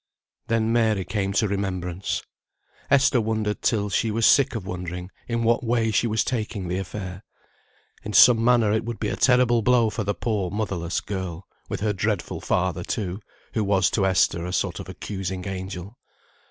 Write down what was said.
Then Mary came to remembrance. Esther wondered till she was sick of wondering, in what way she was taking the affair. In some manner it would be a terrible blow for the poor, motherless girl; with her dreadful father, too, who was to Esther a sort of accusing angel.